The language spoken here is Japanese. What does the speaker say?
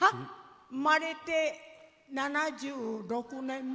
生まれて７６年目。